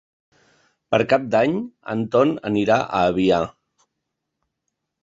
Per Cap d'Any en Ton anirà a Avià.